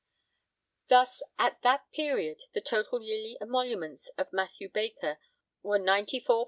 Thus, at that period, the total yearly emoluments of Mathew Baker were £94, 15_s.